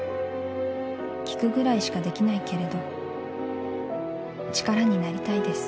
「聞くぐらいしかできないけれど力になりたいです」